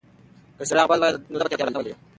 که څراغ بل وای نو ده به تیاره نه وای لیدلې.